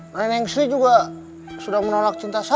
reneng sri juga sudah menolak cinta saya